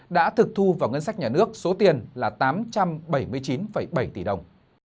đã thực thu vào ngân sách nhà nước số tiền là tám trăm bảy mươi chín bảy tỷ đồng